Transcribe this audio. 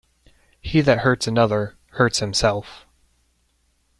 He that hurts another, hurts himself.